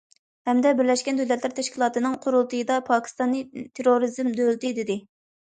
ھەمدە بىرلەشكەن دۆلەتلەر تەشكىلاتىنىڭ قۇرۇلتىيىدا پاكىستاننى« تېررورىزم دۆلىتى» دېدى.